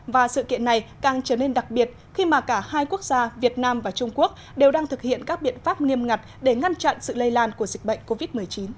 và sự kiện này càng trở nên đặc biệt khi mà cả hai quốc gia việt nam và trung quốc đều đang thực hiện các biện pháp nghiêm ngặt để ngăn chặn sự lây lan của dịch bệnh covid một mươi chín